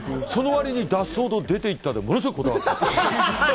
その割に脱走と出ていったにものすごくこだわっている。